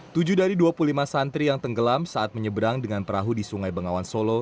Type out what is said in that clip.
tujuh dari dua puluh lima santri yang tenggelam saat menyeberang dengan perahu di sungai bengawan solo